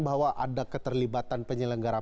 bahwa ada keterlibatan penyelenggara